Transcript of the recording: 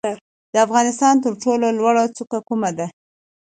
د افغانستان تر ټولو لوړه څوکه کومه ده؟